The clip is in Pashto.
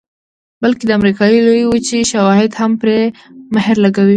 بلکې د امریکا لویې وچې شواهد هم پرې مهر لګوي